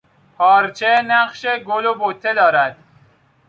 پارچه نقش گل و بته دارد.